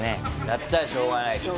だったらしょうがないです。